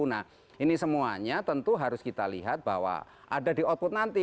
nah ini semuanya tentu harus kita lihat bahwa ada di output nanti